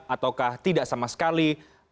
ataukah tidak sama sekali